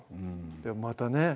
またね